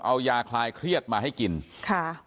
เพราะไม่เคยถามลูกสาวนะว่าไปทำธุรกิจแบบไหนอะไรยังไง